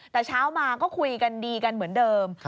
แต่เช้ามาก็คุยกันดีกันเหมือนเดิม